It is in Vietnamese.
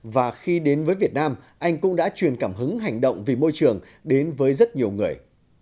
và khi đến với việt nam anh cũng đã truyền cảm hứng hành động vì môi trường đến với rất nhiều người